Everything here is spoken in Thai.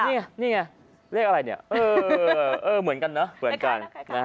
เรียกว่าอะไรเนี่ยเออเหมือนกันน่ะเหมือนกันนะ